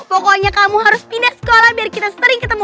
pokoknya kamu harus pindah sekolah biar kita sering ketemu